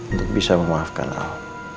untuk bisa memaafkan al